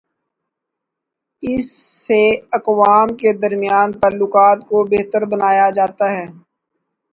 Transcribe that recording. اس سے اقوام کے درمیان تعلقات کو بہتر بنایا جا تا ہے۔